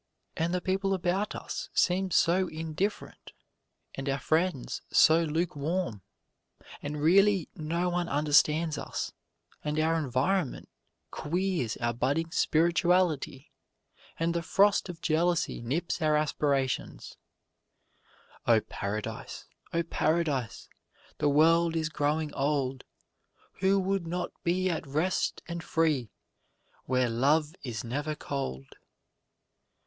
And the people about us seem so indifferent, and our friends so lukewarm; and really no one understands us, and our environment queers our budding spirituality, and the frost of jealousy nips our aspirations: "O Paradise, O Paradise, the world is growing old; who would not be at rest and free where love is never cold."